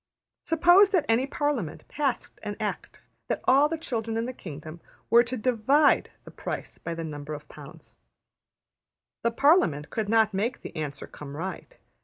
Suppose that any Parliament passed an act that all the children in the kingdom were to divide the price by the number of pounds; the Parliament could not make the answer come right.